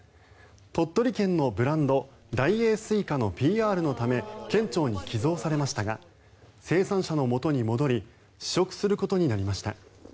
鳥取県のブランド大栄すいかのＰＲのため県庁に寄贈されましたが生産者のもとに戻り試食することになりました。